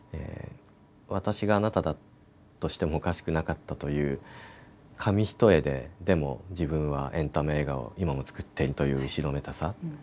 私があなただとしてもおかしくなかったという紙一重ででも、自分はエンタメ映画を今も作っているという後ろめたさ。